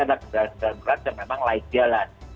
adalah kendaraan kendaraan berat yang memang light jalan